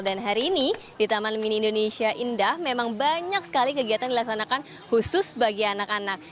dan hari ini di taman mini indonesia indah memang banyak sekali kegiatan dilaksanakan khusus bagi anak anak